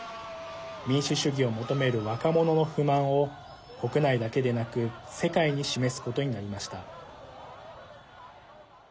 民主主義を求める若者の不満を国内だけでなく世界に示すことになりました。